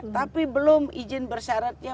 tapi belum izin bersyaratnya